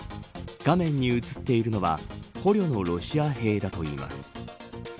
画面に映っているのは捕虜のロシア兵だといいます。